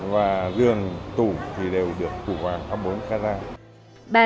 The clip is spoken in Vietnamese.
và dường tủ thì đều được củ vào hai mươi bốn k ra